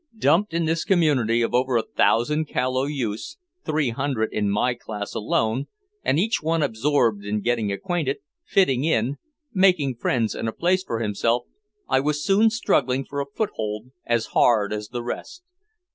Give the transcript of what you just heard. Dumped in this community of over a thousand callow youths, three hundred in my class alone and each one absorbed in getting acquainted, fitting in, making friends and a place for himself, I was soon struggling for a foothold as hard as the rest.